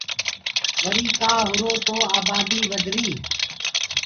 وريٚ ڪآ هُرو تو آباديٚ وڌريٚ۔